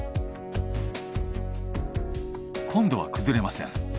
今度は崩れません。